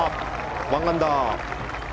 １アンダー。